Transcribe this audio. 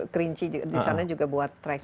kerinci disana juga buat trekking